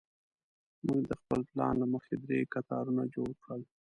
موږ د خپل پلان له مخې درې کتارونه جوړ کړل.